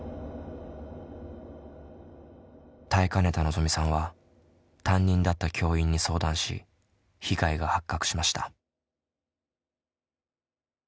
耐えかねたのぞみさんは担任だった教員に相談し被害が発覚しました。